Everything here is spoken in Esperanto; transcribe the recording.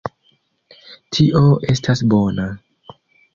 Tio estas bona.